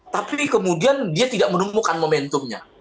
tapi kemudian dia tidak menemukan momentumnya